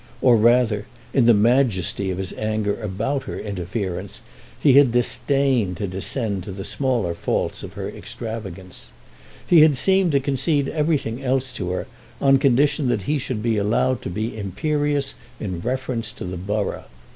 Or, rather, in the majesty of his anger about her interference, he had disdained to descend to the smaller faults of her extravagance. He had seemed to concede everything else to her, on condition that he should be allowed to be imperious in reference to the borough.